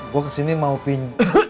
gue kesini mau pin